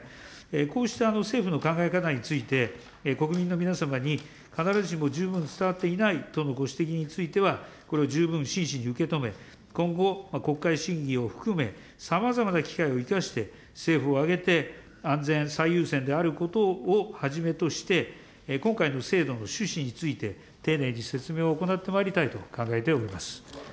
こうした政府の考え方について、国民の皆様に必ずしも十分伝わっていないとのご指摘については、これを十分真摯に受け止め、今後、国会審議を含め、さまざまな機会を生かして、政府を挙げて安全最優先であることをはじめとして、今回の制度の趣旨について、丁寧に説明を行ってまいりたいと考えております。